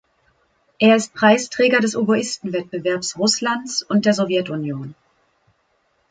Er ist Preisträger des Oboisten-Wettbewerbs Russlands und der Sowjetunion.